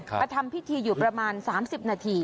มาทำพิธีอยู่ประมาณ๓๐นาที